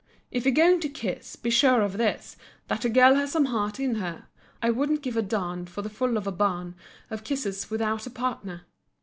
If you're going to kiss, be sure of this— That the girl has some heart in her; I wouldn't give a darn for the full of a barn Of kisses without a partner.